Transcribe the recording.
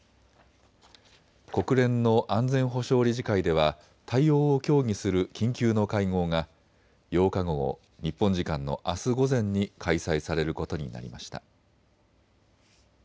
国連の安全保障理事会では対応を協議する緊急の会合が８日午後、日本時間のあす午前に開催されることになりました。